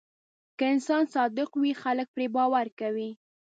که انسان صادق وي، خلک پرې باور کوي.